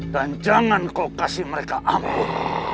dan jangan kau kasih mereka ampun